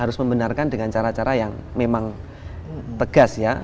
harus membenarkan dengan cara cara yang memang tegas ya